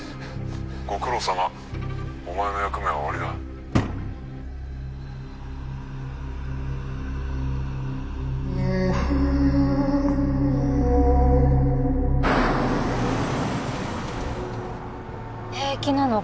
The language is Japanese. ご苦労さまお前の役目は終わりだ平気なの？